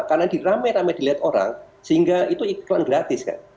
karena ramai ramai dilihat orang sehingga itu iklan gratis kan